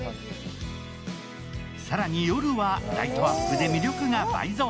更に夜はライトアップで魅力が倍増。